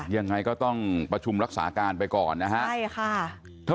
ยังไงก็ต้องประชุมรักษาการไปก่อน